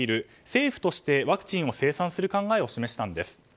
政府としてワクチンを生産する考えを示したんです。